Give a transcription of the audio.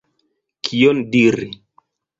Kion diri?